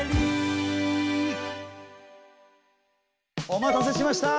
お待たせしました。